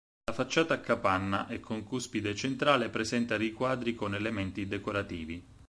La facciata a capanna e con cuspide centrale presenta riquadri con elementi decorativi.